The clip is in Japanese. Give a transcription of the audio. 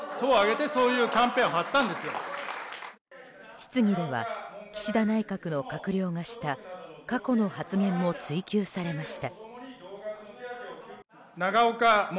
質疑では岸田内閣の閣僚がした過去の発言も追及されました。